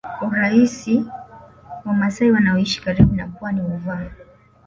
urahisi Wamasai wanaoishi karibu na pwani huvaa